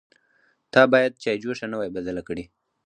_تا بايد چايجوشه نه وای بدله کړې.